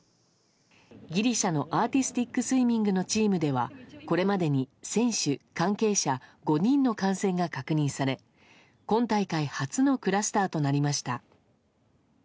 ギリシャのアーティスティックスイミングのチームではこれまでに選手、関係者５人の感染が確認され今大会初のクラスターとなりました。